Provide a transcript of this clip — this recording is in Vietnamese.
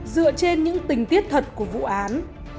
dựa trên những tình tiết thật của vụ án